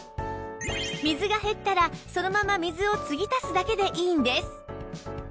水が減ったらそのまま水を継ぎ足すだけでいいんです